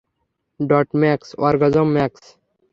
Dot-Max, orgasm-max.